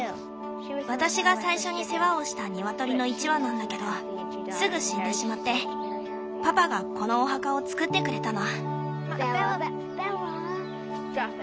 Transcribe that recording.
私が最初に世話をしたニワトリの１羽なんだけどすぐ死んでしまってパパがこのお墓を作ってくれたの。